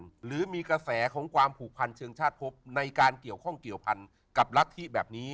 หรือมีกระแสของความผูกพันเชิงชาติพบในการเกี่ยวข้องเกี่ยวพันกับรัฐธิแบบนี้